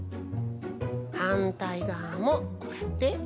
はんたいがわもこうやってペタッ。